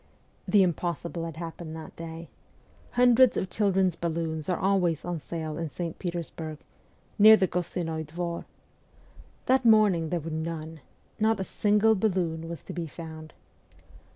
The impossible had happened that day. Hundreds of children's balloons are always on sale in St. Peters burg, near the Gostinoi Dvor. That morning there were none ; not a single balloon was to be found.